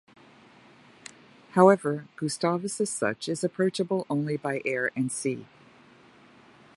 However, Gustavus as such is approachable only by air and sea.